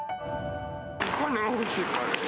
お金が欲しいから。